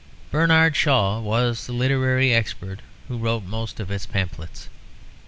Bernard Shaw was the literary expert who wrote most of its pamphlets.